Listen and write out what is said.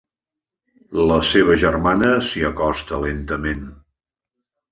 La seva germana s'hi acosta lentament.